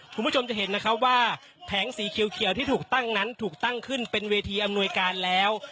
คุณผู้ชมจะเห็นนะครับว่าแผงสีเขียวที่ถูกตั้งนั้นถูกตั้งขึ้นเป็นเวทีอำนวยการแล้ว